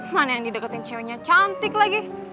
mana yang dideketin ceweknya cantik lagi